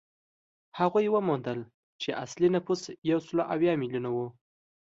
هغوی وموندل چې اصلي نفوس یو سل یو اویا میلیونه و